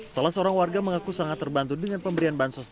salah seorang warga mengaku sangat terbantu dengan pemberian bansos